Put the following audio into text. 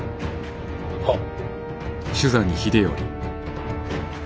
はっ。